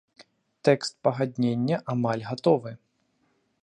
Тэкст пагаднення амаль гатовы.